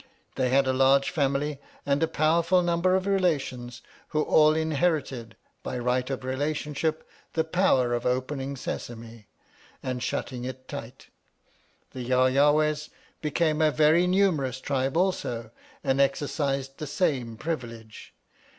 They had a large family and a powerful number of relations, who all inherited, by right of relationship, the power of opening Sesame and shutting it tight. The Yaw yawahs became a very numerous tribe also, and exercised the same privilege.